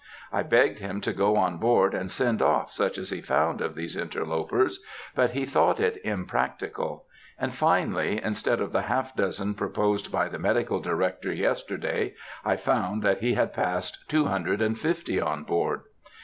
I begged him to go on board and send off such as he found of these interlopers, but he thought it impracticable; and finally, instead of the half dozen proposed by the Medical Director yesterday, I found that he had passed two hundred and fifty on board.